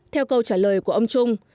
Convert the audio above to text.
theo câu trả lời của ông trung